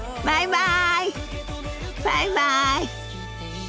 バイバイ。